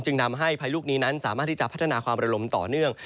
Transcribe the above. นำให้พายุลูกนี้นั้นสามารถที่จะพัฒนาความระลมต่อเนื่อง